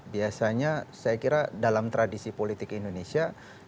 biasanya saya kira dalam tradisi politik indonesia